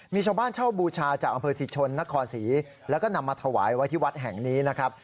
มีชาวบ้านเช่าบูชาจากอำเภอศรีชนนครศรีแล้วก็นำมาถวายไว้ที่วัดแห่งนี้นะครับ